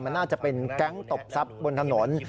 มันน่าจะเป็นแก๊งตบทรัพย์บนถนน